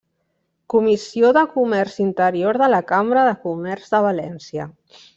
Comissió de Comerç Interior de la Cambra de Comerç de València.